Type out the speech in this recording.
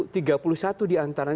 tiga puluh satu